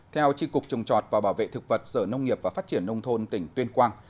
theo tri cục trồng chọt và bảo vệ thực vật sở nông nghiệp và phát triển nông thôn tỉnh tuyên quang